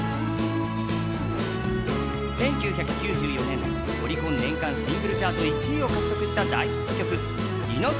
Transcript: １９９４年、オリコン年間シングルチャート１位を獲得した大ヒット曲「ｉｎｎｏｃｅｎｔｗｏｒｌｄ」。